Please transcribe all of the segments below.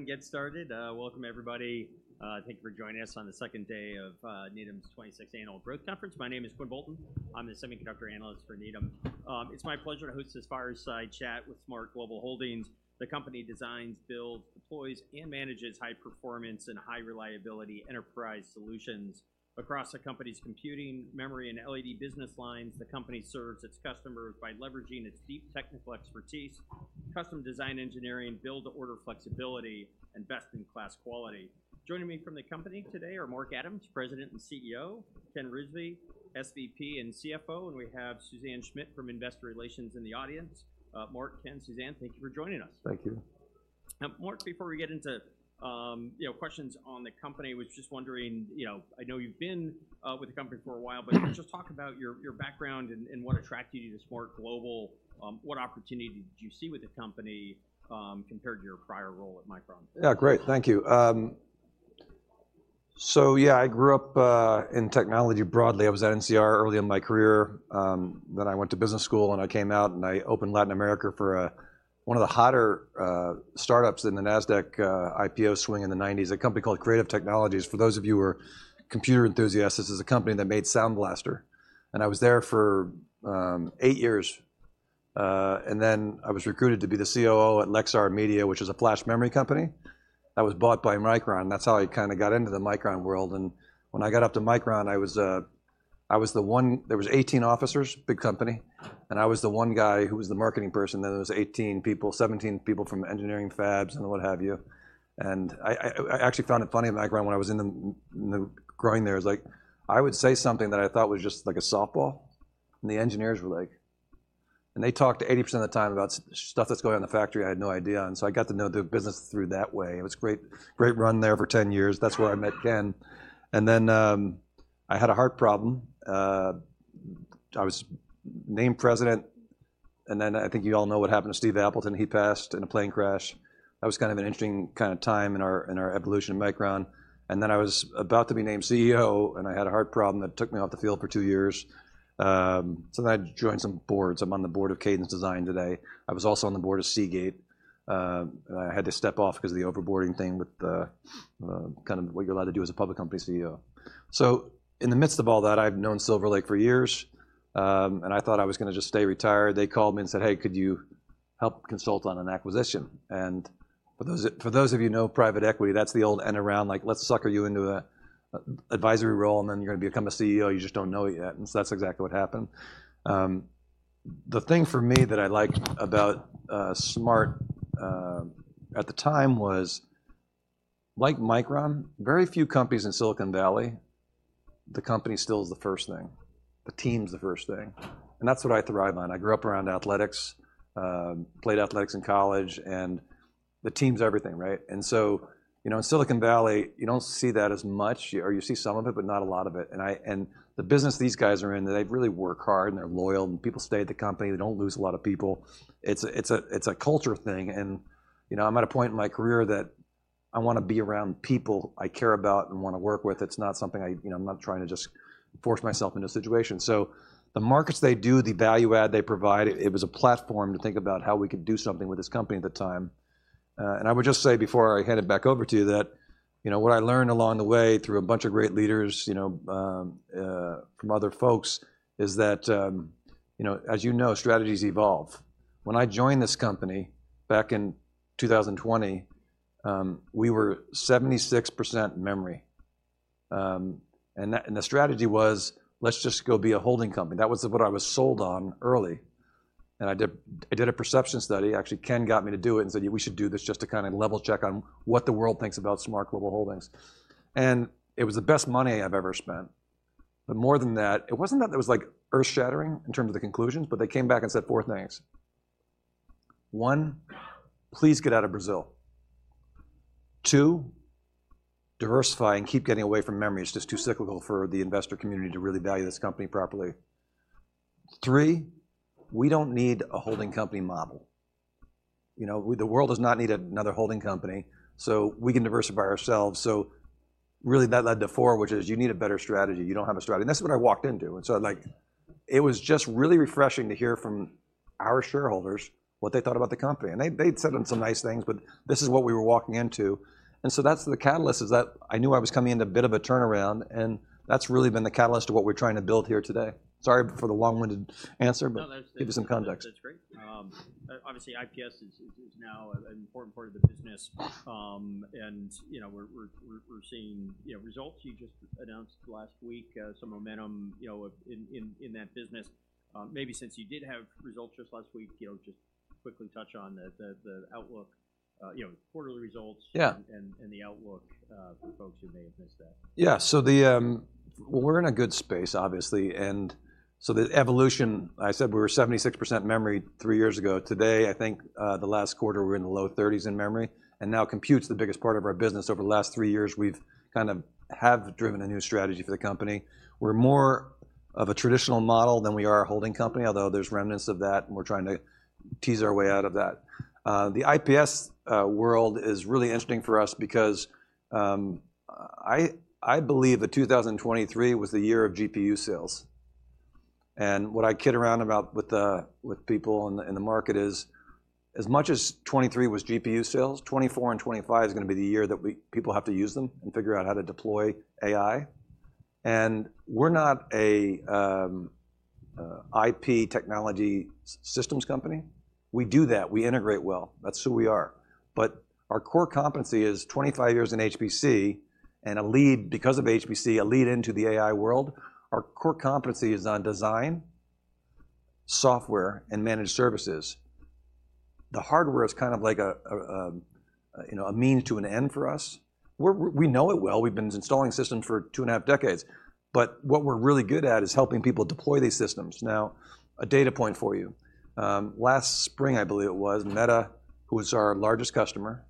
Go ahead and get started. Welcome, everybody. Thank you for joining us on the second day of Needham's 26th Annual Growth Conference. My name is Quinn Bolton. I'm the semiconductor analyst for Needham. It's my pleasure to host this fireside chat with SMART Global Holdings. The company designs, builds, deploys, and manages high-performance and high-reliability enterprise solutions across the company's computing, memory, and LED business lines. The company serves its customers by leveraging its deep technical expertise, custom design engineering, build-to-order flexibility, and best-in-class quality. Joining me from the company today are Mark Adams, President and CEO; Ken Rizvi, SVP and CFO; and we have Suzanne Schmidt from Investor Relations in the audience. Mark, Ken, Suzanne, thank you for joining us. Thank you. Mark, before we get into, you know, questions on the company, was just wondering, you know, I know you've been with the company for a while, but just talk about your background and what attracted you to SMART Global. What opportunity did you see with the company, compared to your prior role at Micron? Yeah, great. Thank you. So yeah, I grew up in technology broadly. I was at NCR early in my career. Then I went to business school, and I came out, and I opened Latin America for one of the hotter startups in the NASDAQ IPO swing in the 1990s, a company called Creative Technology. For those of you who are computer enthusiasts, this is a company that made Sound Blaster, and I was there for eight years. And then I was recruited to be the COO at Lexar Media, which is a flash memory company that was bought by Micron. That's how I kind of got into the Micron world, and when I got out to Micron, I was the one, there was 18 officers, big company, and I was the one guy who was the marketing person. Then there was 18 people, 17 people from engineering fabs and what have you. And I actually found it funny at Micron when I was in the growing there, it was like, I would say something that I thought was just like a softball, and the engineers were like. And they talked 80% of the time about stuff that's going on in the factory I had no idea on, so I got to know the business through that way. It was great, great run there for 10 years. That's where I met Ken. And then I had a heart problem. I was named president, and then I think you all know what happened to Steve Appleton. He passed in a plane crash. That was kind of an interesting kind of time in our evolution at Micron. I was about to be named CEO, and I had a heart problem that took me off the field for two years. So then I joined some boards. I'm on the board of Cadence Design today. I was also on the board of Seagate. I had to step off 'cause of the over-boarding thing with the kind of what you're allowed to do as a public company CEO. So in the midst of all that, I've known Silver Lake for years, and I thought I was gonna just stay retired. They called me and said, "Hey, could you help consult on an acquisition?" For those of you who know private equity, that's the old end around, like, "Let's sucker you into an advisory role, and then you're gonna become a CEO. You just don't know it yet." And so that's exactly what happened. The thing for me that I liked about SMART, at the time, was, like Micron, very few companies in Silicon Valley, the company still is the first thing. The team's the first thing, and that's what I thrive on. I grew up around athletics, played athletics in college, and the team's everything, right? And so, you know, in Silicon Valley, you don't see that as much, or you see some of it, but not a lot of it, and the business these guys are in, they really work hard, and they're loyal, and people stay at the company. They don't lose a lot of people. It's a culture thing, and, you know, I'm at a point in my career that I wanna be around people I care about and wanna work with. It's not something, you know, I'm not trying to just force myself into a situation. So the markets they do, the value add they provide, it was a platform to think about how we could do something with this company at the time. And I would just say, before I hand it back over to you, that, you know, what I learned along the way through a bunch of great leaders, you know, from other folks, is that, you know, as you know, strategies evolve. When I joined this company back in 2020, we were 76% memory, and the strategy was, "Let's just go be a holding company." That was what I was sold on early, and I did a perception study. Actually, Ken got me to do it and said, "We should do this just to kind of level-check on what the world thinks about SMART Global Holdings." And it was the best money I've ever spent. But more than that, it wasn't that it was, like, earth-shattering in terms of the conclusions, but they came back and said four things. "One, please get out of Brazil. Two, diversify and keep getting away from memory. It's just too cyclical for the investor community to really value this company properly. Three, we don't need a holding company model. You know, the world does not need another holding company, so we can diversify ourselves." So really, that led to four, which is, "You need a better strategy. You don't have a strategy." And that's what I walked into, and so, like, it was just really refreshing to hear from our shareholders what they thought about the company, and they, they'd said some nice things, but this is what we were walking into. And so that's the catalyst, is that I knew I was coming into a bit of a turnaround, and that's really been the catalyst to what we're trying to build here today. Sorry for the long-winded answer, but- No, that's- Just to give you some context. That's great. Obviously, IPS is now an important part of the business, and, you know, we're seeing, you know, results. You just announced last week, some momentum, you know, in that business. Maybe since you did have results just last week, you know, just quickly touch on the outlook, you know, quarterly results and the outlook for folks who may have missed that. Yeah. So the, well, we're in a good space, obviously, and so the evolution, I said we were 76% memory three years ago. Today, I think, the last quarter, we're in the low 30s in memory, and now compute's the biggest part of our business. Over the last three years, we've kind of have driven a new strategy for the company. We're more of a traditional model than we are a holding company, although there's remnants of that, and we're trying to tease our way out of that. The IPS world is really interesting for us because, I believe that 2023 was the year of GPU sales. And what I kid around about with people in the market is, as much as 2023 was GPU sales, 2024 and 2025 is gonna be the year that we— people have to use them and figure out how to deploy AI. And we're not a IP technology systems company. We do that. We integrate well. That's who we are. But our core competency is 25 years in HPC, and a lead because of HPC, a lead into the AI world. Our core competency is on design, software, and managed services. The hardware is kind of like a you know, a means to an end for us. We know it well. We've been installing systems for two and a half decades, but what we're really good at is helping people deploy these systems. Now, a data point for you. Last spring, I believe it was, Meta, who is our largest customer,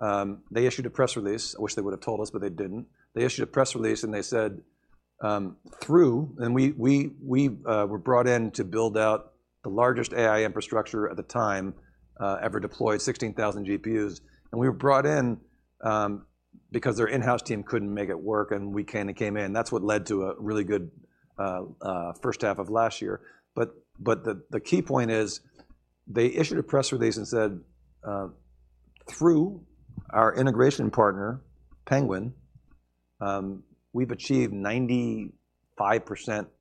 they issued a press release. I wish they would have told us, but they didn't. They issued a press release, and they said, through and we were brought in to build out the largest AI infrastructure at the time ever deployed, 16,000 GPUs, and we were brought in because their in-house team couldn't make it work, and we kind of came in. That's what led to a really good first half of last year. But the key point is, they issued a press release and said, "Through our integration partner, Penguin, we've achieved 95%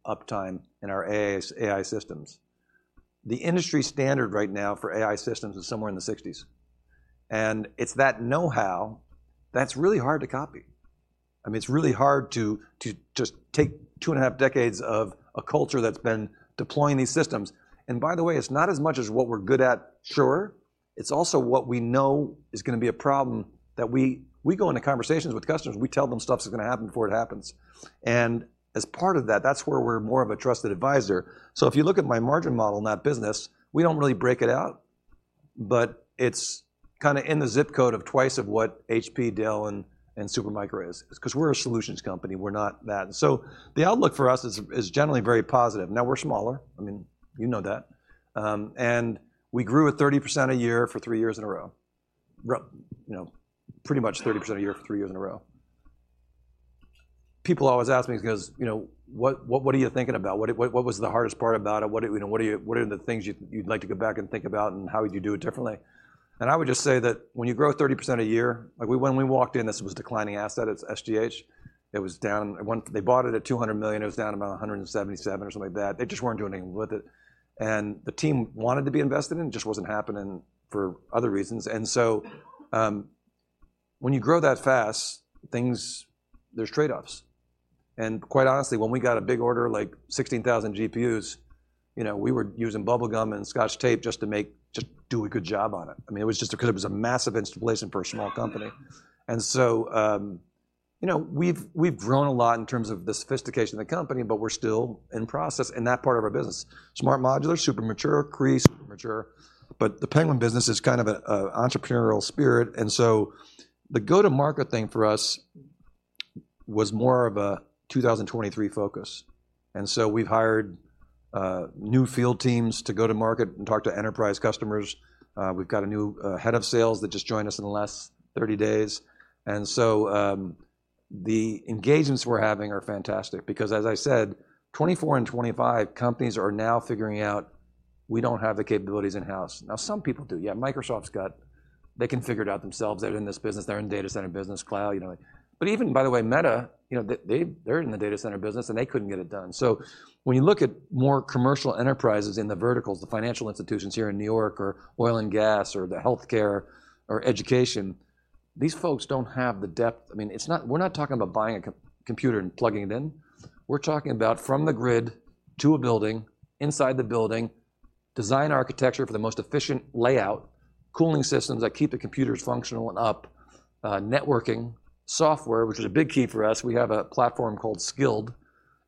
uptime in our AI systems." The industry standard right now for AI systems is somewhere in the sixties, and it's that know-how that's really hard to copy. I mean, it's really hard to just take two and a half decades of a culture that's been deploying these systems. And by the way, it's not as much as what we're good at. Sure, it's also what we know is gonna be a problem that we go into conversations with customers, we tell them stuff is gonna happen before it happens. And as part of that, that's where we're more of a trusted advisor. So if you look at my margin model in that business, we don't really break it out, but it's kind of in the zip code of twice of what HP, Dell, and Supermicro is. It's 'cause we're a solutions company, we're not that. So the outlook for us is generally very positive. Now, we're smaller. I mean, you know that. And we grew at 30% a year for three years in a row. Well, you know, pretty much 30% a year for three years in a row. People always ask me, they goes: "You know, what are you thinking about? What was the hardest part about it? What do you know-- what are the things you'd, you'd like to go back and think about, and how would you do it differently?" And I would just say that when you grow 30% a year, like when we walked in, this was a declining asset, it's SGH. It was down. When-- They bought it at $200 million, it was down about $177 million or something like that. They just weren't doing anything with it, and the team wanted to be invested in. It just wasn't happening for other reasons. So, when you grow that fast, things, there's trade-offs. And quite honestly, when we got a big order, like 16,000 GPUs, you know, we were using bubblegum and Scotch tape just to make, just do a good job on it. I mean, it was just because it was a massive installation for a small company. And so, you know, we've, we've grown a lot in terms of the sophistication of the company, but we're still in process in that part of our business. SMART Modular, super mature. Cree, super mature, but the Penguin business is kind of a entrepreneurial spirit, and so the go-to-market thing for us was more of a 2023 focus. And so we've hired new field teams to go to market and talk to enterprise customers. We've got a new head of sales that just joined us in the last 30 days. And so the engagements we're having are fantastic because, as I said, 2024 and 2025 companies are now figuring out, we don't have the capabilities in-house. Now, some people do. Yeah, Microsoft's got, they can figure it out themselves. They're in this business. They're in data center business, cloud, you know. But even, by the way, Meta, you know, they, they're in the data center business, and they couldn't get it done. So when you look at more commercial enterprises in the verticals, the financial institutions here in New York, or oil and gas, or the healthcare, or education, these folks don't have the depth. I mean, it's not. We're not talking about buying a computer and plugging it in. We're talking about from the grid to a building, inside the building, design architecture for the most efficient layout, cooling systems that keep the computers functional and up, networking, software, which is a big key for us. We have a platform called Scyld,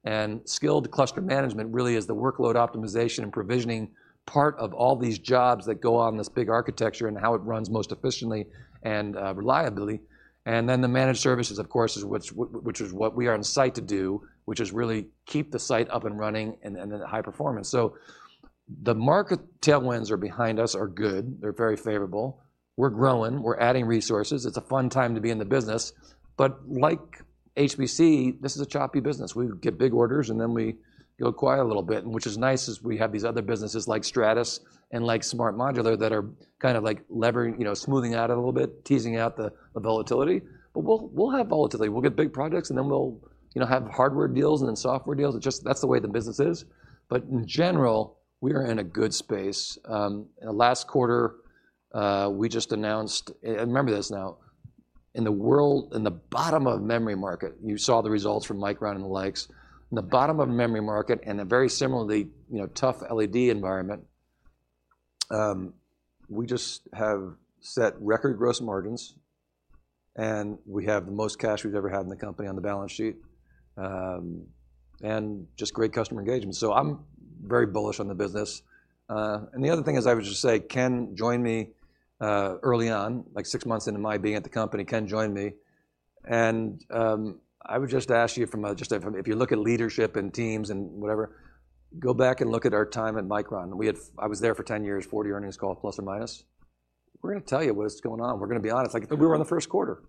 and Scyld Cluster Management really is the workload optimization and provisioning part of all these jobs that go on in this big architecture and how it runs most efficiently and, reliably. And then the managed services, of course, is which, which is what we are on site to do, which is really keep the site up and running and, then high performance. So the market tailwinds are behind us are good. They're very favorable. We're growing. We're adding resources. It's a fun time to be in the business, but like HPC, this is a choppy business. We get big orders, and then we go quiet a little bit, which is nice, as we have these other businesses like Stratus and like Smart Modular, that are kind of like levering, you know, smoothing out a little bit, teasing out the volatility. But we'll have volatility. We'll get big projects, and then we'll, you know, have hardware deals and then software deals. It just. That's the way the business is, but in general, we are in a good space. Last quarter, we just announced, and remember this now, in the world, in the bottom of memory market, you saw the results from Micron and the likes. In the bottom of memory market and a very similarly, you know, tough LED environment, we just have set record gross margins, and we have the most cash we've ever had in the company on the balance sheet, and just great customer engagement. So I'm very bullish on the business. And the other thing is, I would just say, Ken joined me, early on, like six months into my being at the company, Ken joined me. And I would just ask you from a, just, if you look at leadership and teams and whatever, go back and look at our time at Micron. We had I was there for 10 years, 40 earnings calls, plus or minus. We're gonna tell you what is going on. We're gonna be honest, like we were in the first quarter.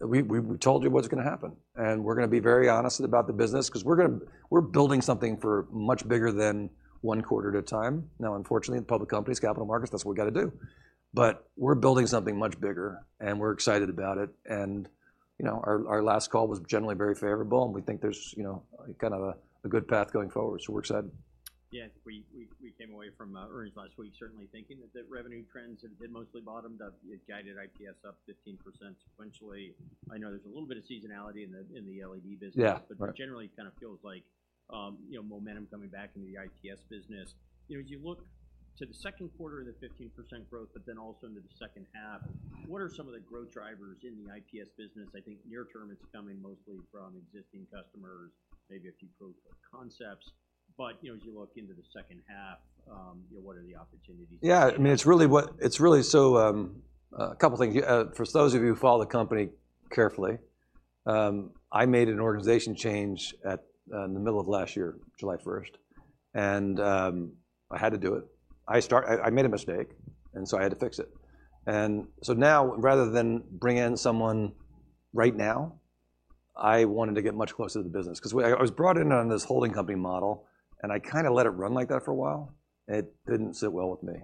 We told you what's gonna happen, and we're gonna be very honest about the business, 'cause we're building something much bigger than one quarter at a time. Now, unfortunately, in public companies, capital markets, that's what we've got to do. But we're building something much bigger, and we're excited about it. You know, our last call was generally very favorable, and we think there's, you know, kind of a good path going forward. So we're excited. Yeah, we came away from earnings last week certainly thinking that the revenue trends had mostly bottomed up. It guided IPS up 15% sequentially. I know there's a little bit of seasonality in the LED business. Yeah, right. But generally, it kind of feels like, you know, momentum coming back into the IPS business. You know, as you look to the second quarter of the 15% growth, but then also into the second half, what are some of the growth drivers in the IPS business? I think near term, it's coming mostly from existing customers, maybe a few proof of concepts. But, you know, as you look into the second half, you know, what are the opportunities? Yeah, I mean, it's really a couple things. For those of you who follow the company carefully, I made an organization change in the middle of last year, July first, and I had to do it. I made a mistake, and so I had to fix it. So now, rather than bring in someone right now, I wanted to get much closer to the business, 'cause I was brought in on this holding company model, and I kind of let it run like that for a while, and it didn't sit well with me.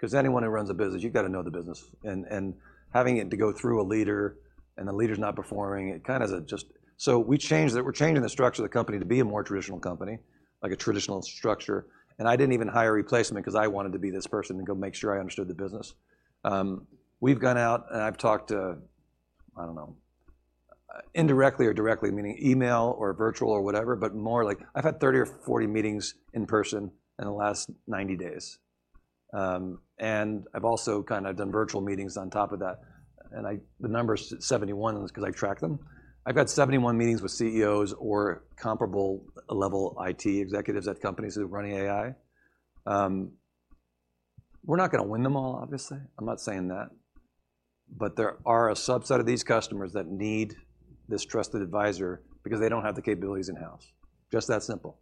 'Cause anyone who runs a business, you've got to know the business. And having it to go through a leader, and the leader's not performing, it kind of just. So we changed it. We're changing the structure of the company to be a more traditional company, like a traditional structure. I didn't even hire a replacement 'cause I wanted to be this person and go make sure I understood the business. We've gone out, and I've talked to, I don't know, indirectly or directly, meaning email or virtual or whatever, but more like I've had 30 or 40 meetings in person in the last 90 days. And I've also kind of done virtual meetings on top of that, and the number is 71, 'cause I've tracked them. I've got 71 meetings with CEOs or comparable level IT executives at companies who are running AI. We're not gonna win them all, obviously. I'm not saying that, but there are a subset of these customers that need this trusted advisor because they don't have the capabilities in-house. Just that simple.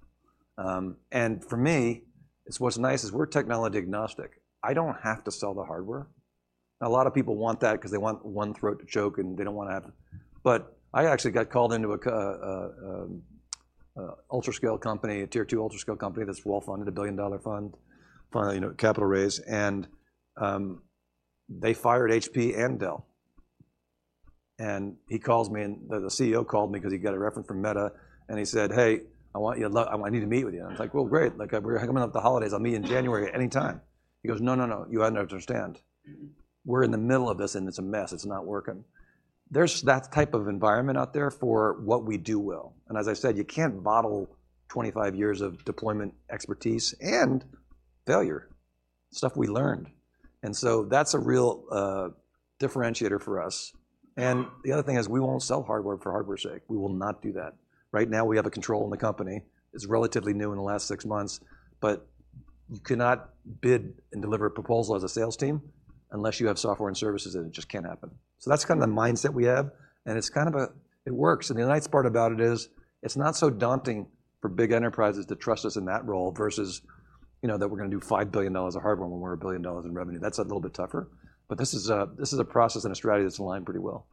And for me, it's what's nice is we're technology agnostic. I don't have to sell the hardware. A lot of people want that 'cause they want one throat to choke, and they don't wanna have... But I actually got called into a hyperscale company, a Tier Two hyperscale company that's well-funded, a billion-dollar fund, you know, capital raise, and they fired HP and Dell. And he calls me, and the CEO called me 'cause he got a reference from Meta, and he said: "Hey, I want you to look, I need to meet with you." And I was like: "Well, great. Like, we're coming up the holidays. I'll meet you in January anytime." He goes: "No, no, no, you don't understand. We're in the middle of this, and it's a mess. It's not working." There's that type of environment out there for what we do well, and as I said, you can't bottle 25 years of deployment expertise and failure, stuff we learned. And so that's a real differentiator for us. And the other thing is we won't sell hardware for hardware's sake. We will not do that. Right now, we have a control in the company. It's relatively new in the last 6 months, but you cannot bid and deliver a proposal as a sales team unless you have software and services, and it just can't happen. So that's kind of the mindset we have, and it's kind of a, it works. The nice part about it is, it's not so daunting for big enterprises to trust us in that role versus, you know, that we're gonna do $5 billion of hardware when we're $1 billion in revenue. That's a little bit tougher, but this is a, this is a process and a strategy that's aligned pretty well.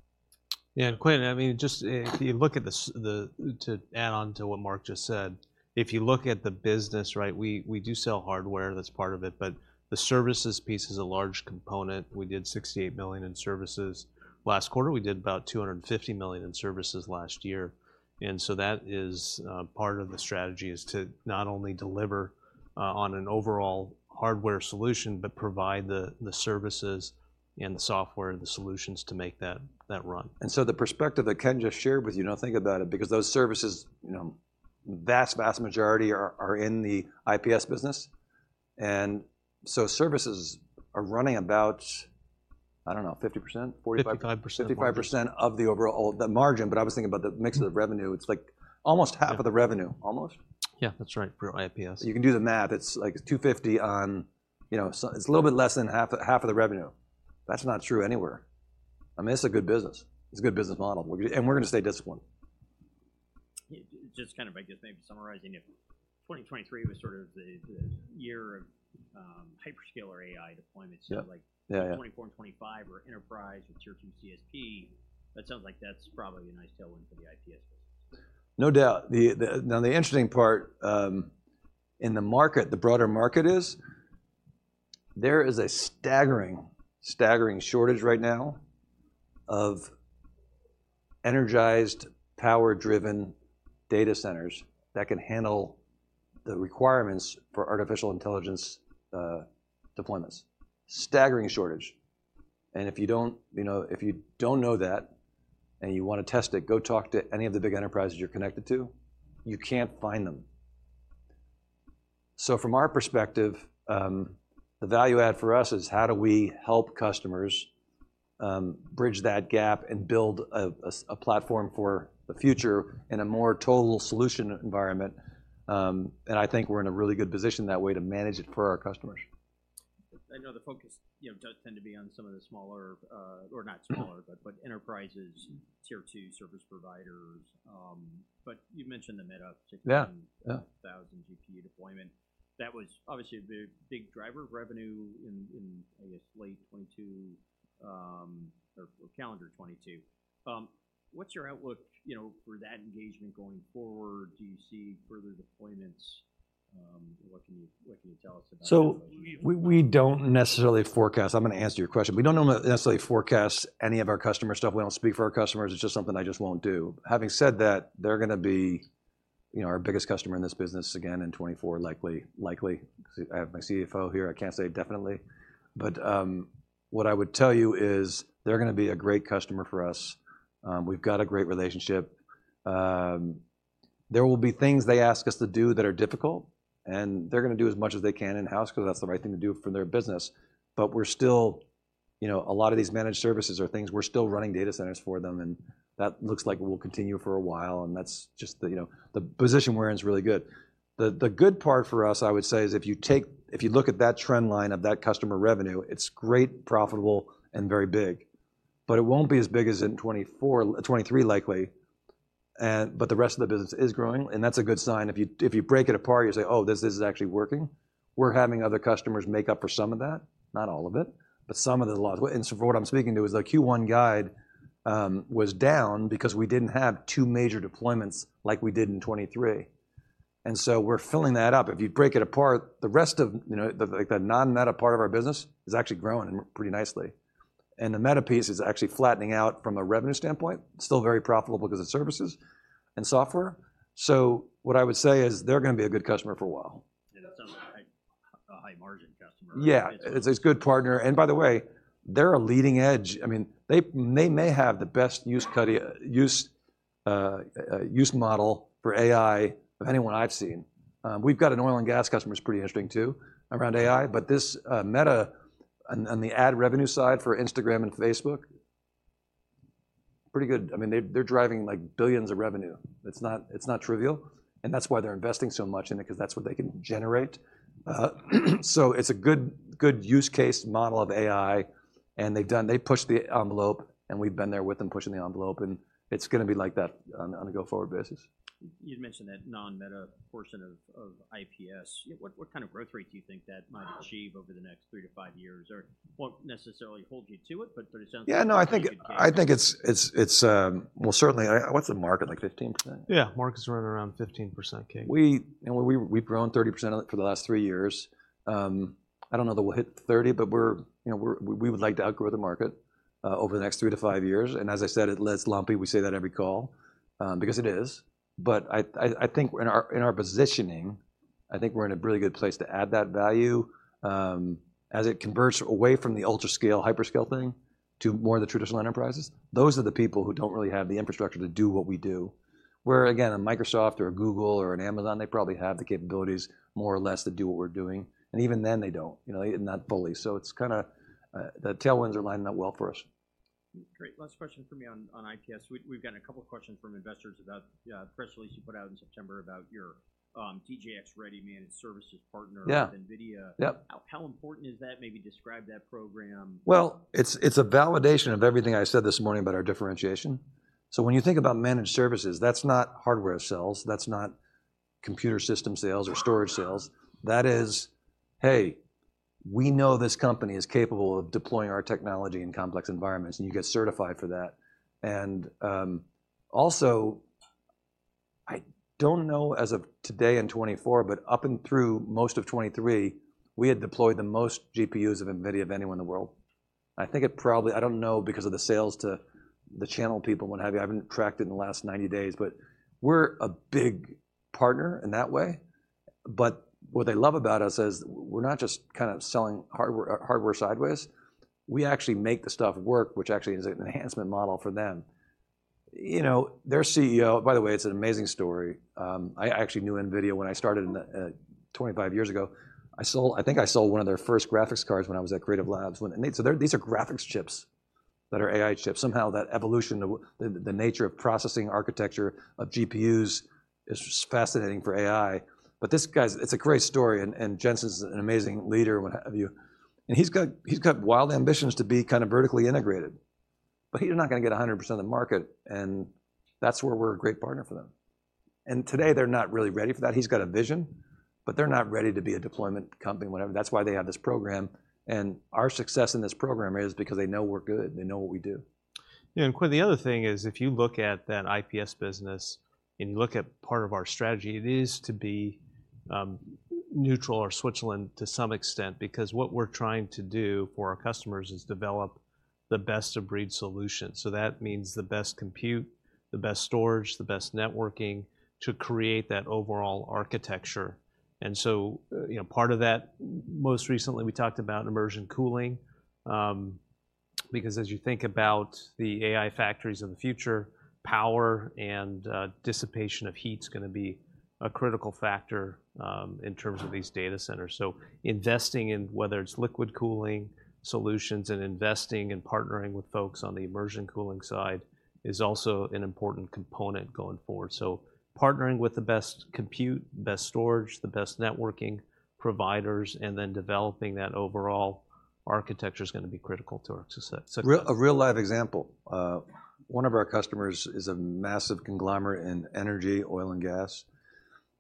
Yeah, and Quinn, I mean, just if you look at the to add on to what Mark just said, if you look at the business, right, we, we do sell hardware, that's part of it, but the services piece is a large component. We did $68 million in services last quarter. We did about $250 million in services last year, and so that is part of the strategy, is to not only deliver on an overall hardware solution but provide the services and the software and the solutions to make that run. The perspective that Ken just shared with you, now think about it, because those services, you know, vast, vast majority are in the IPS business. Services are running about, I don't know, 50%, 45%? 55% 55% of the overall, the margin, but I was thinking about the mix of the revenue. It's like almost half of the revenue. Almost? Yeah, that's right, for IPS. You can do the math. It's like $250 million on, you know, so it's a little bit less than half, half of the revenue. That's not true anywhere. I mean, it's a good business. It's a good business model, and we're gonna stay disciplined. Just kind of, I guess, maybe summarizing it, 2023 was sort of the, the year of hyperscaler AI deployments- Yeah. Yeah. So, like, 2024 and 2025 are enterprise with Tier 2 CSP. That sounds like that's probably a nice tailwind for the IPS business. No doubt. Now, the interesting part in the market, the broader market is, there is a staggering, staggering shortage right now of energized, power-driven data centers that can handle the requirements for artificial intelligence deployments. Staggering shortage, and if you don't, you know, if you don't know that and you want to test it, go talk to any of the big enterprises you're connected to. You can't find them. So from our perspective, the value add for us is how do we help customers bridge that gap and build a platform for the future in a more total solution environment? And I think we're in a really good position that way to manage it for our customers. I know the focus, you know, does tend to be on some of the smaller, or not smaller, but enterprises, Tier 2 service providers, but you've mentioned the Meta 1,000 GPU deployment. That was obviously a big, big driver of revenue in, I guess, late 2022, or calendar 2022. What's your outlook, you know, for that engagement going forward? Do you see further deployments? What can you tell us about that? So we don't necessarily forecast. I'm gonna answer your question. We don't necessarily forecast any of our customer stuff. We don't speak for our customers. It's just something I just won't do. Having said that, they're gonna be, you know, our biggest customer in this business again in 2024, likely, 'cause I have my CFO here, I can't say definitely. But what I would tell you is they're gonna be a great customer for us. We've got a great relationship. There will be things they ask us to do that are difficult, and they're gonna do as much as they can in-house 'cause that's the right thing to do for their business. But we're still, you know, a lot of these managed services are things we're still running data centers for them, and that looks like it will continue for a while, and that's just the, you know, the position we're in is really good. The good part for us, I would say, is if you take, if you look at that trend line of that customer revenue, it's great, profitable, and very big, but it won't be as big as in 2024, 2023, likely. But the rest of the business is growing, and that's a good sign. If you break it apart, you say, "Oh, this is actually working." We're having other customers make up for some of that. Not all of it, but some of the loss. And so what I'm speaking to is the Q1 guide was down because we didn't have two major deployments like we did in 2023, and so we're filling that up. If you break it apart, the rest of, you know, the, like, the non-Meta part of our business is actually growing pretty nicely, and the Meta piece is actually flattening out from a revenue standpoint. Still very profitable because it's services and software. So what I would say is, they're gonna be a good customer for a while. Yeah, that sounds like a high-margin customer. Yeah, it's a good partner, and by the way, they're a leading edge. I mean, they may have the best use case model for AI of anyone I've seen. We've got an oil and gas customer that's pretty interesting, too, around AI, but this Meta on the ad revenue side for Instagram and Facebook, pretty good. I mean, they, they're driving, like, billions of revenue. It's not trivial, and that's why they're investing so much in it, 'cause that's what they can generate. So it's a good use case model of AI, and they've pushed the envelope, and we've been there with them, pushing the envelope, and it's gonna be like that on a go-forward basis. You'd mentioned that non-Meta portion of IPS. What kind of growth rate do you think that might achieve over the next three to five years? Or won't necessarily hold you to it, but it sounds like- Yeah, no, I think, I think it's, it's, it's... Well, certainly, I, what's the market, like, 15%? Yeah, market's right around 15%. And we, we've grown 30% of it for the last three years. I don't know that we'll hit 30%, but we're, you know, we're, we would like to outgrow the market over the next three to five years, and as I said, it gets lumpy. We say that every call because it is, but I think in our positioning, I think we're in a really good place to add that value as it converts away from the ultra-scale, hyperscale thing to more of the traditional enterprises. Those are the people who don't really have the infrastructure to do what we do, where, again, a Microsoft or a Google or an Amazon, they probably have the capabilities, more or less, to do what we're doing, and even then, they don't, you know, not fully. So it's kinda the tailwinds are lining up well for us. Great. Last question for me on IPS. We've gotten a couple of questions from investors about the press release you put out in September about your DGX-Ready Managed Services partner with NVIDIA. Yep. How, how important is that? Maybe describe that program. Well, it's a validation of everything I said this morning about our differentiation. So when you think about managed services, that's not hardware sales, that's not computer system sales or storage sales. That is, "Hey, we know this company is capable of deploying our technology in complex environments," and you get certified for that. And also, I don't know, as of today in 2024, but up and through most of 2023, we had deployed the most GPUs of NVIDIA of anyone in the world. I think it probably I don't know, because of the sales to the channel people, what have you, I haven't tracked it in the last 90 days, but we're a big partner in that way. But what they love about us is we're not just kind of selling hardware, hardware sideways. We actually make the stuff work, which actually is an enhancement model for them. You know, their CEO. By the way, it's an amazing story. I actually knew NVIDIA when I started 25 years ago. I sold, I think I sold one of their first graphics cards when I was at Creative Labs when... And so there, these are graphics chips that are AI chips. Somehow, that evolution, the nature of processing architecture of GPUs is just fascinating for AI. But this guy's. It's a great story, and Jensen's an amazing leader, what have you, and he's got wild ambitions to be kinda vertically integrated, but he's not gonna get 100% of the market, and that's where we're a great partner for them. Today, they're not really ready for that. He's got a vision, but they're not ready to be a deployment company, whatever. That's why they have this program, and our success in this program is because they know we're good, and they know what we do. Yeah, and Quinn, the other thing is, if you look at that IPS business, and you look at part of our strategy, it is to be neutral or Switzerland to some extent, because what we're trying to do for our customers is develop the best of breed solutions. So that means the best compute, the best storage, the best networking to create that overall architecture. And so, you know, part of that, most recently, we talked about immersion cooling, because as you think about the AI factories of the future, power and dissipation of heat is gonna be a critical factor in terms of these data centers. So investing in whether it's liquid cooling solutions and investing and partnering with folks on the immersion cooling side, is also an important component going forward. Partnering with the best compute, best storage, the best networking providers, and then developing that overall architecture is gonna be critical to our success, so- A real live example, one of our customers is a massive conglomerate in energy, oil, and gas...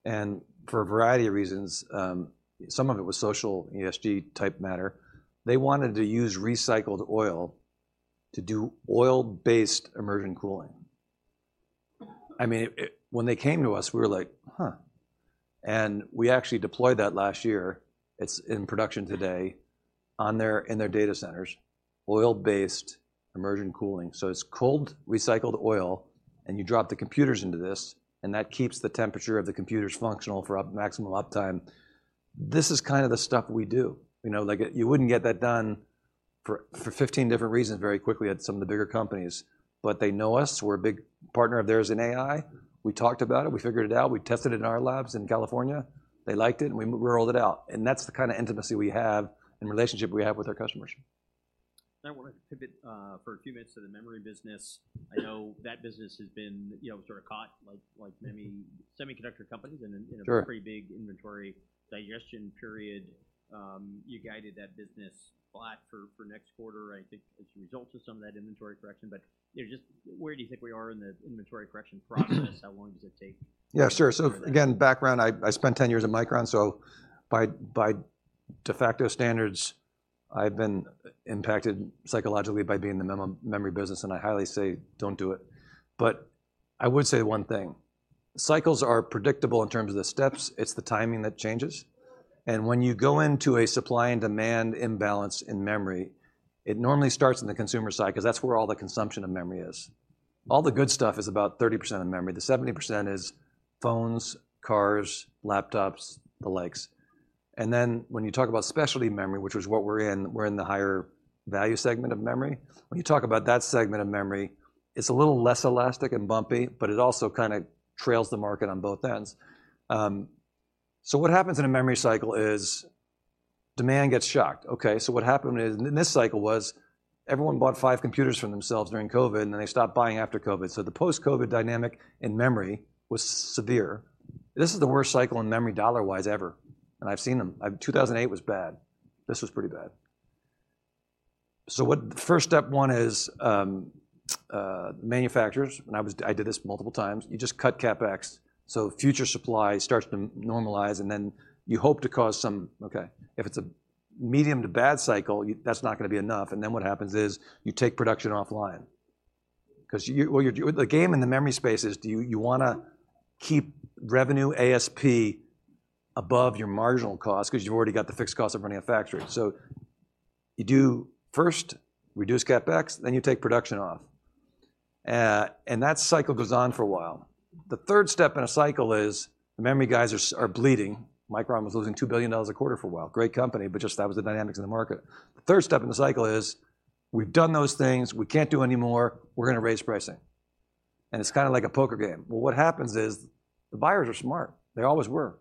and for a variety of reasons, some of it was social ESG-type matter. They wanted to use recycled oil to do oil-based immersion cooling. I mean, when they came to us, we were like, "Huh!" And we actually deployed that last year. It's in production today in their data centers, oil-based immersion cooling. So it's cold, recycled oil, and you drop the computers into this, and that keeps the temperature of the computers functional for maximum uptime. This is kind of the stuff we do. You know, like, you wouldn't get that done for 15 different reasons very quickly at some of the bigger companies. But they know us, we're a big partner of theirs in AI. We talked about it, we figured it out, we tested it in our labs in California. They liked it, and we rolled it out. And that's the kind of intimacy we have and relationship we have with our customers. Now, I want to pivot for a few minutes to the memory business. I know that business has been, you know, sort of caught, like many semiconductor companies- Sure. In a pretty big inventory digestion period. You guided that business flat for next quarter, I think, as a result of some of that inventory correction. But, you know, just where do you think we are in the inventory correction process? How long does it take? Yeah, sure. So again, background, I spent 10 years at Micron, so by de facto standards, I've been impacted psychologically by being in the memory business, and I highly say, don't do it. But I would say one thing: cycles are predictable in terms of the steps, it's the timing that changes. And when you go into a supply and demand imbalance in memory, it normally starts in the consumer side, because that's where all the consumption of memory is. All the good stuff is about 30% of memory. The 70% is phones, cars, laptops, the likes. And then, when you talk about specialty memory, which is what we're in, we're in the higher value segment of memory. When you talk about that segment of memory, it's a little less elastic and bumpy, but it also kind of trails the market on both ends. So what happens in a memory cycle is demand gets shocked. Okay, so what happened is, in this cycle was, everyone bought five computers for themselves during COVID, and then they stopped buying after COVID. So the post-COVID dynamic in memory was severe. This is the worst cycle in memory, dollar-wise, ever, and I've seen them. 2008 was bad. This was pretty bad. So what the first step one is, manufacturers, and I was I did this multiple times, you just cut CapEx, so future supply starts to normalize, and then you hope to cause some... Okay. If it's a medium to bad cycle, you that's not gonna be enough, and then what happens is, you take production offline. Because you- Well, the game in the memory space is, do you, you wanna keep revenue ASP above your marginal cost because you've already got the fixed cost of running a factory. So you do first, reduce CapEx, then you take production off. And that cycle goes on for a while. The third step in a cycle is the memory guys are bleeding. Micron was losing $2 billion a quarter for a while. Great company, but just that was the dynamics of the market. The third step in the cycle is, we've done those things, we can't do anymore, we're gonna raise pricing, and it's kind of like a poker game. Well, what happens is, the buyers are smart. They always were.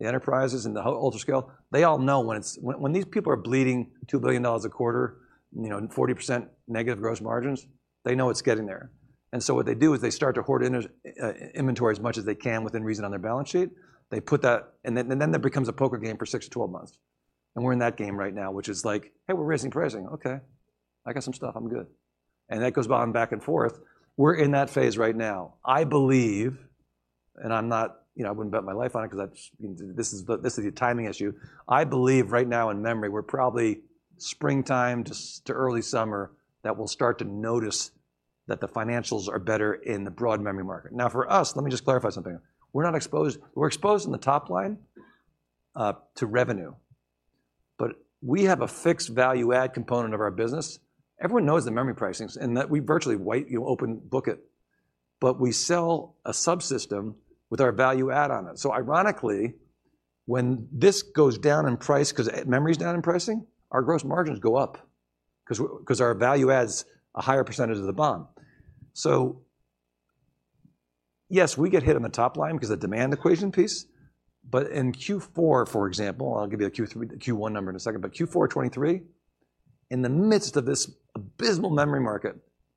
The enterprises and the wholesale scale, they all know when it's when these people are bleeding $2 billion a quarter, you know, and 40% negative gross margins, they know it's getting there. So what they do is they start to hoard inventory as much as they can, within reason, on their balance sheet. They put that. And then that becomes a poker game for six to 12 months, and we're in that game right now, which is like: "Hey, we're raising pricing." "Okay, I got some stuff. I'm good." And that goes on back and forth. We're in that phase right now. I believe, and I'm not you know, I wouldn't bet my life on it because this is a timing issue. I believe right now in memory, we're probably springtime to early summer, that we'll start to notice that the financials are better in the broad memory market. Now, for us, let me just clarify something. We're not exposed, we're exposed in the top line to revenue, but we have a fixed value add component of our business. Everyone knows the memory pricings, and that we virtually wide, you know, open book it, but we sell a subsystem with our value add on it. So ironically, when this goes down in price because memory's down in pricing, our gross margins go up, 'cause our value add's a higher percentage of the bond. So yes, we get hit on the top line because the demand equation piece, but in Q4, for example, I'll give you a Q3... Q1 number in a second, but Q4 2023, in the midst of this abysmal memory market,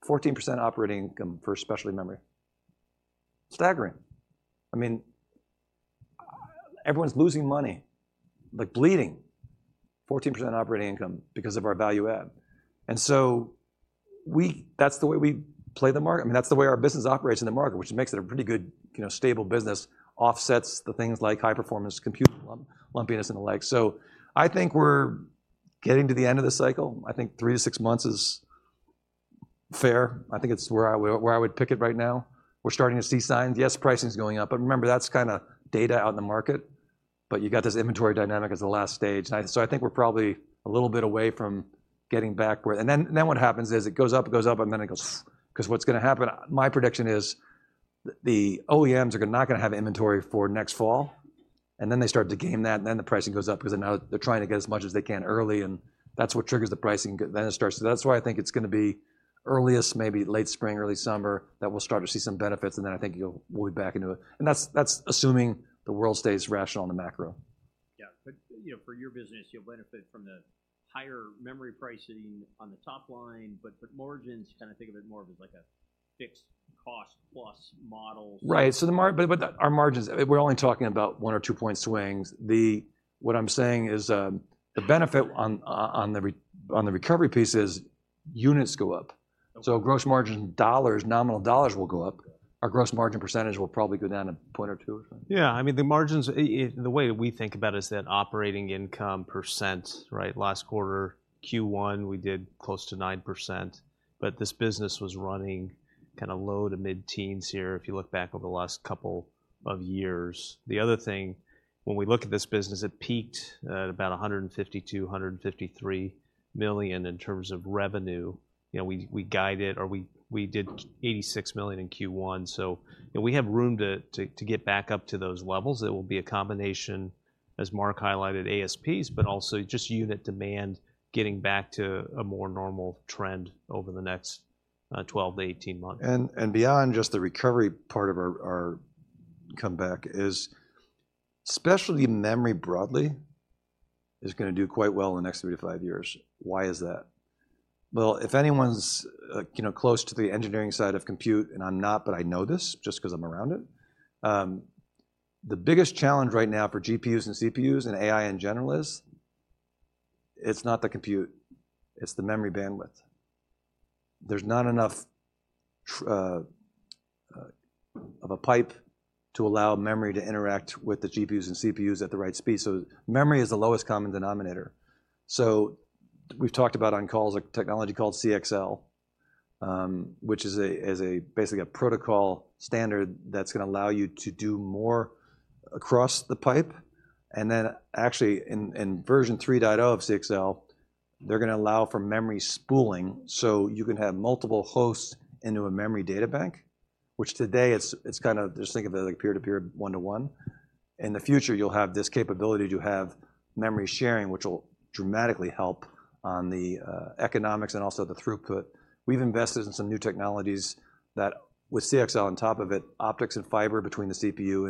14% operating income for specialty memory. Staggering. I mean, everyone's losing money, like bleeding. 14% operating income because of our value add. And so that's the way we play the market. I mean, that's the way our business operates in the market, which makes it a pretty good, you know, stable business, offsets the things like high-performance compute lumpiness and the like. So I think we're getting to the end of the cycle. I think three to six months is fair. I think it's where I would pick it right now. We're starting to see signs. Yes, pricing is going up, but remember, that's kind of data out in the market, but you got this inventory dynamic as the last stage. So I think we're probably a little bit away from getting back where... And then what happens is, it goes up, it goes up, and then it goes, "Psst!" 'Cause what's gonna happen, my prediction is, the OEMs are gonna not have inventory for next fall, and then they start to game that, and then the pricing goes up because they know they're trying to get as much as they can early, and that's what triggers the pricing, then it starts. So that's why I think it's gonna be earliest, maybe late spring, early summer, that we'll start to see some benefits, and then I think we'll be back into it. And that's assuming the world stays rational in the macro. Yeah, but, you know, for your business, you'll benefit from the higher memory pricing on the top line, but margins, you kind of think of it more of as like a fixed cost plus model. Right. So the margins, but our margins, we're only talking about one or two point swings. What I'm saying is, the benefit on the recovery piece is units go up. So gross margin dollars, nominal dollars will go up. Our gross margin percentage will probably go down a point or two. Yeah, I mean, the margins, the way we think about it is that operating income percent, right? Last quarter, Q1, we did close to 9%, but this business was running kind of low-to-mid-teens here if you look back over the last couple of years. The other thing, when we look at this business, it peaked at about $152 million-$153 million in terms of revenue. You know, we guided or we did $86 million in Q1, so and we have room to get back up to those levels. It will be a combination, as Mark highlighted, ASPs, but also just unit demand getting back to a more normal trend over the next 12-18 months. Beyond just the recovery part of our comeback is specialty memory broadly is going to do quite well in the next three to five years. Why is that? Well, if anyone's, like, you know, close to the engineering side of compute, and I'm not, but I know this just because I'm around it, the biggest challenge right now for GPUs and CPUs and AI in general is, it's not the compute, it's the memory bandwidth. There's not enough of a pipe to allow memory to interact with the GPUs and CPUs at the right speed, so memory is the lowest common denominator. So we've talked about on calls a technology called CXL, which is basically a protocol standard that's going to allow you to do more across the pipe. And then actually in version 3.0 of CXL, they're going to allow for memory pooling, so you can have multiple hosts into a memory data bank, which today it's kind of just think of it like peer-to-peer, one-to-one. In the future, you'll have this capability to have memory sharing, which will dramatically help on the economics and also the throughput. We've invested in some new technologies that, with CXL on top of it, optics and fiber between the CPU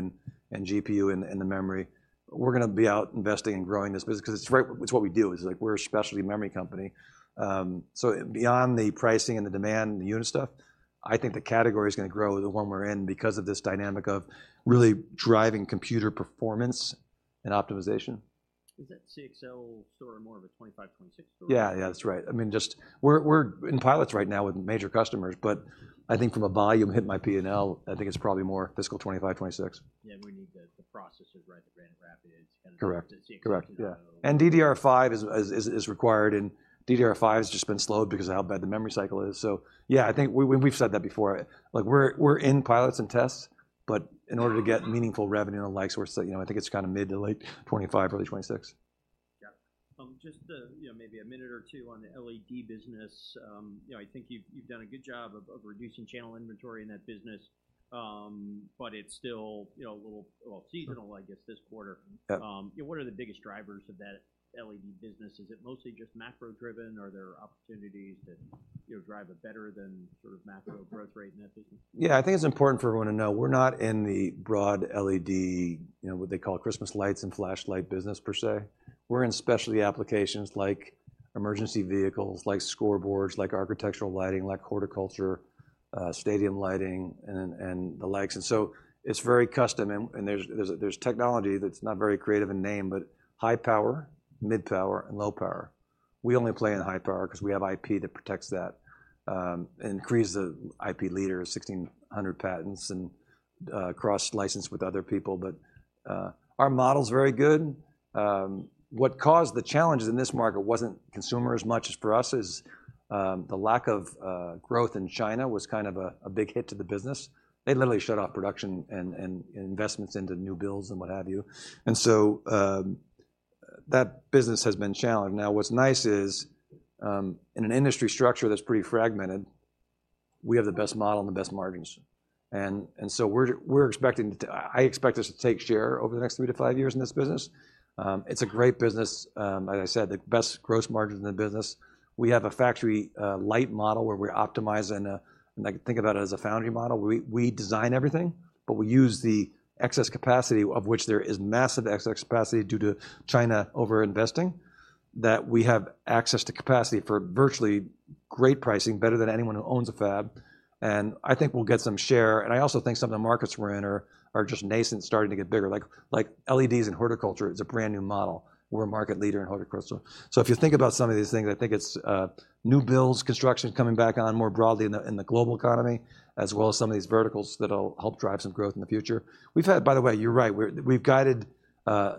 and GPU and the memory. We're going to be out investing and growing this business because it's right, it's what we do, is like we're a specialty memory company. So beyond the pricing and the demand and the unit stuff, I think the category is going to grow, the one we're in, because of this dynamic of really driving computer performance and optimization. Is that CXL story more of a 2025-2026 story? Yeah, yeah, that's right. I mean, just we're in pilots right now with major customers, but I think from a volume hitting my P&L, I think it's probably more fiscal 2025, 2026. Yeah, we need the, the processors, right, the Emerald Rapids CXL. Correct. Correct, yeah. And DDR5 is required, and DDR5 has just been slowed because of how bad the memory cycle is. So yeah, I think we've said that before. Like we're in pilots and tests, but in order to get meaningful revenue and the like, so we're still, you know, I think it's kind of mid- to late-2025, early-2026. Yeah. Just, you know, maybe a minute or two on the LED business. You know, I think you've done a good job of reducing channel inventory in that business, but it's still, you know, a little, well, seasonal, I guess, this quarter. Yeah. What are the biggest drivers of that LED business? Is it mostly just macro-driven, or are there opportunities that, you know, drive it better than sort of macro growth rate in that business? Yeah, I think it's important for everyone to know we're not in the broad LED, you know, what they call Christmas lights and flashlight business per se. We're in specialty applications like emergency vehicles, like scoreboards, like architectural lighting, like horticulture, stadium lighting, and the likes, and so it's very custom, and there's technology that's not very creative in name, but high power, mid power, and low power. We only play in high power because we have IP that protects that, and Cree's, the IP leader, 1600 patents and cross-licensed with other people. But our model is very good. What caused the challenges in this market wasn't consumer as much as for us, is the lack of growth in China was kind of a big hit to the business. They literally shut off production and investments into new builds and what have you, and so that business has been challenged. Now, what's nice is, in an industry structure that's pretty fragmented, we have the best model and the best margins, and so we're expecting to, I expect us to take share over the next three to five years in this business. It's a great business. Like I said, the best gross margins in the business. We have a factory light model, where we're optimizing, like think about it as a foundry model. We design everything, but we use the excess capacity, of which there is massive excess capacity due to China overinvesting, that we have access to capacity for virtually great pricing, better than anyone who owns a fab, and I think we'll get some share. And I also think some of the markets we're in are just nascent, starting to get bigger, like LEDs in horticulture is a brand-new model. We're a market leader in horticulture. So if you think about some of these things, I think it's new builds, construction coming back on more broadly in the global economy, as well as some of these verticals that'll help drive some growth in the future. We've had, by the way, you're right, we've guided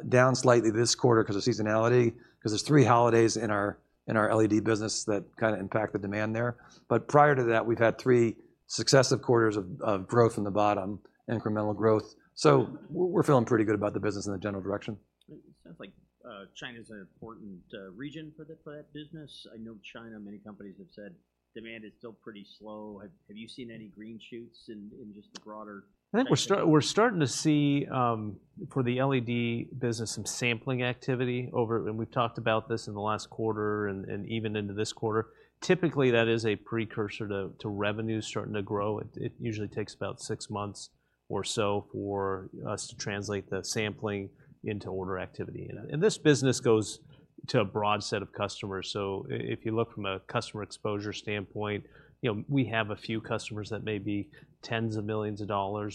down slightly this quarter because of seasonality, because there's three holidays in our LED business that kind of impact the demand there. But prior to that, we've had three successive quarters of growth in the bottom, incremental growth. So we're feeling pretty good about the business in the general direction. It sounds like, China's an important region for the, for that business. I know China, many companies have said, demand is still pretty slow. Have you seen any green shoots in, just the broader- I think we're starting to see, for the LED business, some sampling activity over, we've talked about this in the last quarter and even into this quarter. Typically, that is a precursor to revenue starting to grow. It usually takes about six months or so for us to translate the sampling into order activity. This business goes to a broad set of customers. If you look from a customer exposure standpoint, you know, we have a few customers that may be $10s of millions,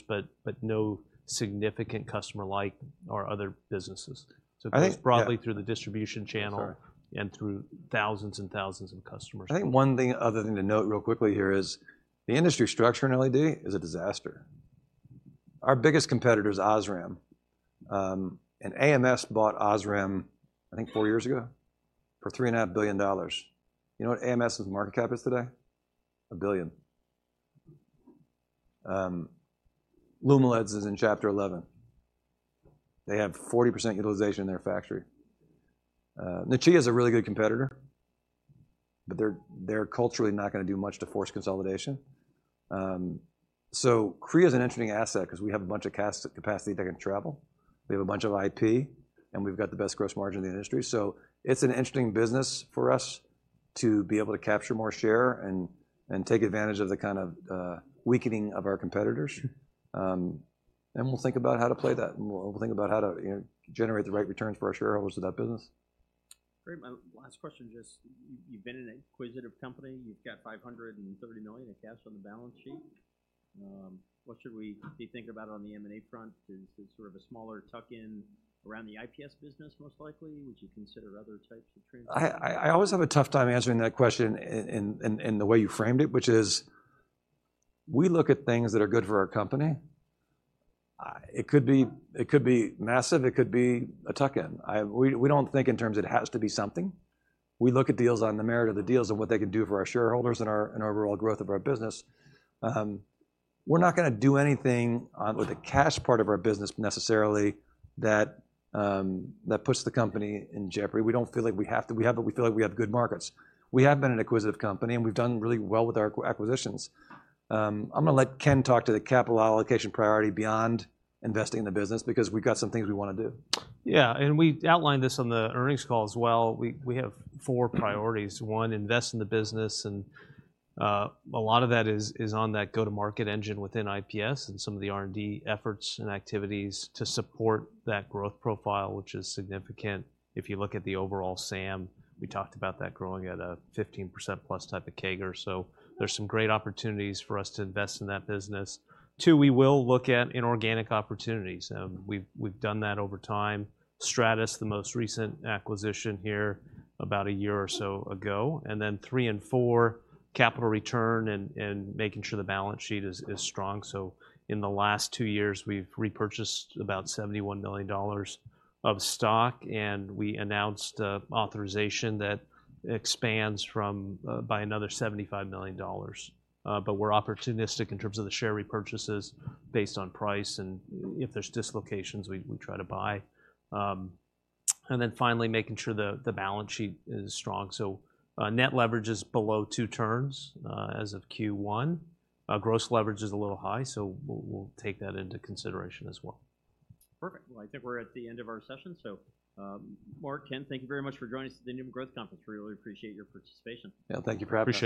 but no significant customer like our other businesses. I think, yeah. That's broadly through the distribution channel and through thousands and thousands of customers. I think one thing, other thing to note really quickly here is the industry structure in LED is a disaster. Our biggest competitor is Osram, and AMS bought Osram, I think, four years ago for $3.5 billion. You know what AMS' market cap is today? $1 billion. Lumileds is in Chapter 11. They have 40% utilization in their factory. Nichia is a really good competitor, but they're culturally not gonna do much to force consolidation. So Cree is an interesting asset 'cause we have a bunch of excess capacity that can travel. We have a bunch of IP, and we've got the best gross margin in the industry. So it's an interesting business for us to be able to capture more share and take advantage of the kind of weakening of our competitors. And we'll think about how to play that, and we'll think about how to, you know, generate the right returns for our shareholders in that business. Great. My last question, just you've been an acquisitive company. You've got $530 million in cash on the balance sheet. What should we be thinking about on the M&A front? Is it sort of a smaller tuck-in around the IPS business, most likely? Would you consider other types of transactions? I always have a tough time answering that question in the way you framed it, which is we look at things that are good for our company. It could be massive, it could be a tuck-in. We don't think in terms of it has to be something. We look at deals on the merit of the deals and what they can do for our shareholders and our overall growth of our business. We're not gonna do anything on with the cash part of our business, necessarily, that that puts the company in jeopardy. We don't feel like we have to. We have. We feel like we have good markets. We have been an acquisitive company, and we've done really well with our acquisitions. I'm gonna let Ken talk to the capital allocation priority beyond investing in the business, because we've got some things we wanna do. Yeah, and we outlined this on the earnings call as well. We have four priorities: One, invest in the business, and a lot of that is on that go-to-market engine within IPS and some of the R&D efforts and activities to support that growth profile, which is significant if you look at the overall SAM. We talked about that growing at a 15%+ type of CAGR. So there's some great opportunities for us to invest in that business. Two, we will look at inorganic opportunities, we've done that over time. Stratus, the most recent acquisition here, about a year or so ago, and then three and four, capital return and making sure the balance sheet is strong. So in the last two years, we've repurchased about $71 million of stock, and we announced a authorization that expands from, by another $75 million. But we're opportunistic in terms of the share repurchases based on price, and if there's dislocations, we, we try to buy. And then finally, making sure the balance sheet is strong. So, net leverage is below two turns, as of Q1. Gross leverage is a little high, so we'll take that into consideration as well. Perfect. Well, I think we're at the end of our session, so, Mark, Ken, thank you very much for joining us at the Needham Growth Conference. We really appreciate your participation. Yeah, thank you for having us.